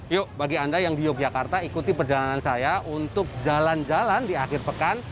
yuk bagi anda yang di yogyakarta ikuti perjalanan saya untuk jalan jalan di akhir pekan